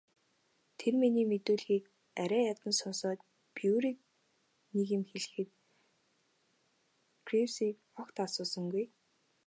Тэр миний мэдүүлгийг арай ядан сонсоод Бруерыг нэг юм хэлэхэд Гривсыг огт асуусангүй.